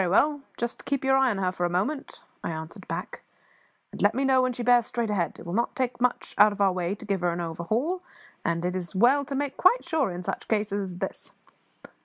"Very well; just keep your eye on her for a moment," I answered back, "and let me know when she bears straight ahead. It will not take us much out of our way to give her an overhaul, and it is as well to make quite sure in such cases as this.